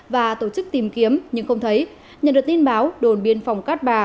và tổ chức tìm kiếm nhưng không thấy nhận được tin báo đồn biên phòng cát bà